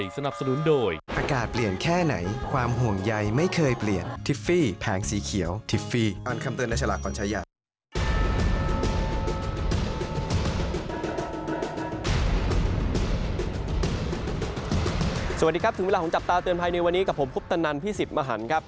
สวัสดีครับถึงเวลาของจับตาเตือนภัยในวันนี้กับผมคุปตนันพี่สิทธิ์มหันครับ